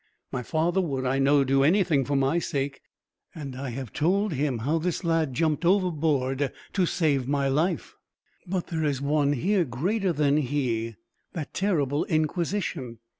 My father would, I know, do anything for my sake; and I have told him how this lad jumped overboard, to save my life; but there is one here greater than he, that terrible Inquisition.